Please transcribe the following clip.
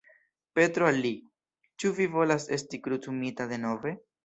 Petro al li: "Ĉu vi volas esti krucumita denove?